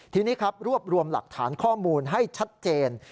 ทีนี้ครับรวบรวมหลักฐานข้อมูลให้ชัดเจน